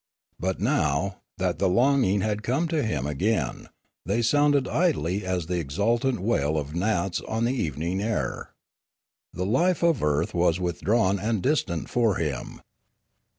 But, now, that the longing had come to him again, they sounded idly as the exultant wail of gnats on the evening air. The life of earth was withdrawn and distant for him.